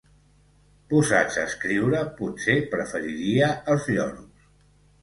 Posats a escriure, potser preferiria els lloros.